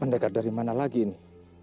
mendekat dari mana lagi ini